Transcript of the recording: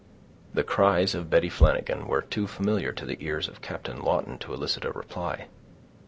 The cries of Betty Flanagan were too familiar to the ears of Captain Lawton to elicit a reply.